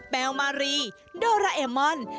แมวมารีโดราเอมอน